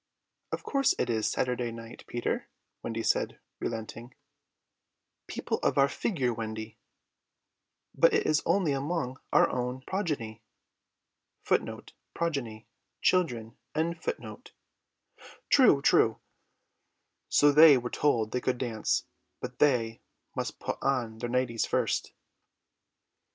"Of course it is Saturday night, Peter," Wendy said, relenting. "People of our figure, Wendy!" "But it is only among our own progeny." "True, true." So they were told they could dance, but they must put on their nighties first.